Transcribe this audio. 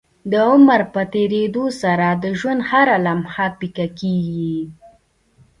د عمر په تيريدو سره د ژوند هره لمحه پيکه کيږي